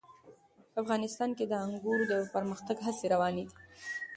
افغانستان کې د انګور د پرمختګ هڅې روانې دي.